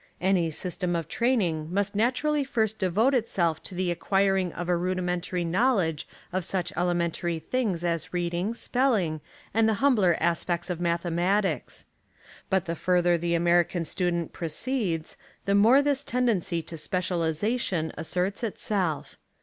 Any system of training must naturally first devote itself to the acquiring of a rudimentary knowl edge of such elementary things as reading, spelling, and the humbler aspects of mathe matics. But the further the American student proceeds the more this tendency to specialisa tion asserts itself.